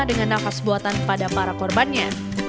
dengan nafas buatan pada para korbannya